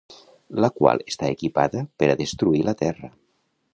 La qual està equipada per a destruir la terra.